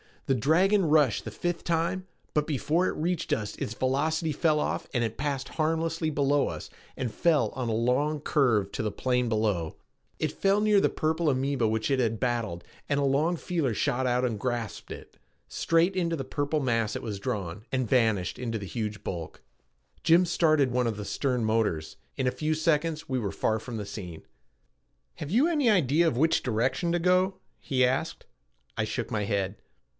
The dragon rushed the fifth time, but before it reached us its velocity fell off and it passed harmlessly below us and fell on a long curve to the plain below. It fell near the purple amoeba which it had battled and a long feeler shot out and grasped it. Straight into the purple mass it was drawn, and vanished into the huge bulk. Jim started one of the stern motors. In a few seconds we were far from the scene. "Have you any idea of which direction to go?" he asked. I shook my head.